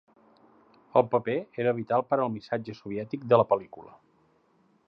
El paper era vital per al missatge soviètic de la pel·lícula.